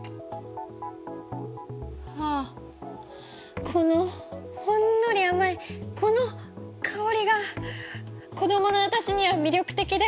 はぁこのほんのり甘いこの香りが子どもの私には魅力的で。